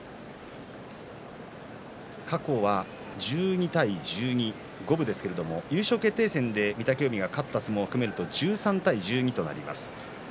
過去は１２対１２五分ですけれども優勝決定戦で御嶽海が勝った相撲を含めると１３対１２となります。